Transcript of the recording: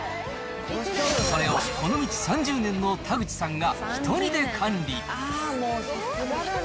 それをこの道３０年の田口さんが１人で管理。